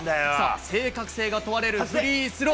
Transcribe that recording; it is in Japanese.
正確性が問われるフリースロー。